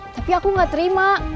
tapi aku gak terima